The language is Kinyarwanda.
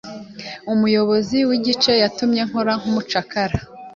Umuyobozi w'igice yatumye nkora nk'umucakara.